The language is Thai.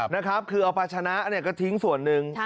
นะครับคือเอาภาชนะก็ทิ้งส่วนหนึ่ง